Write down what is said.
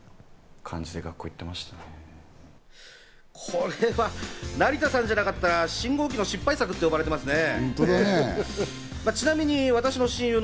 これは成田さんじゃなかったら、信号機の失敗作って呼ばれてますね。